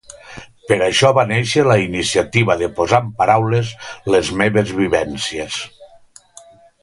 Per això va néixer la iniciativa de posar en paraules les meves vivències.